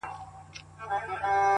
هره ناکامي د بیا پیل فرصت دی.!